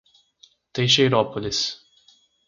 Teixeirópolis